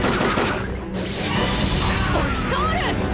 押し通る！